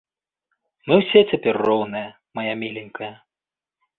Мы ўсе цяпер роўныя, мая міленькая.